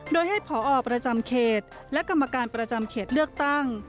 โดยให้ผอประจำเขตและกรรมการประจำเขตเลือกตั้ง